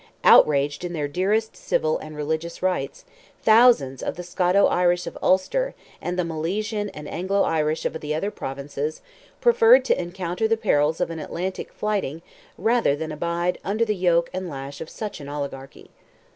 Outraged in their dearest civil and religious rights, thousands of the Scoto Irish of Ulster, and the Milesian and Anglo Irish of the other provinces, preferred to encounter the perils of an Atlantic flitting rather than abide under the yoke and lash of such an oligarchy.